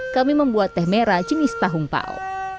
kami membuat teh merah jenis tahung pao